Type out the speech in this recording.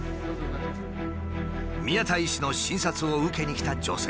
宮田医師の診察を受けに来た女性。